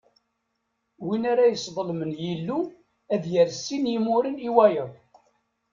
Win ara yesseḍlem Yillu, ad yerr sin n imuren i wayeḍ.